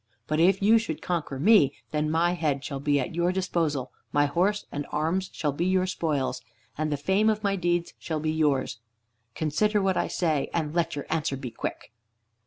But if you should conquer me, then my head shall be at your disposal, my horse and arms shall be your spoils, and the fame of my deeds shall be yours. Consider what I say, and let your answer be quick."